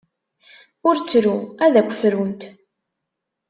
Ur ttru. Ad akk frunt.